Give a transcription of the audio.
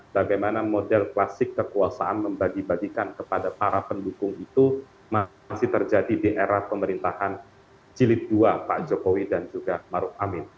bagaimana model klasik kekuasaan membagi bagikan kepada para pendukung itu masih terjadi di era pemerintahan jilid dua pak jokowi dan juga maruf amin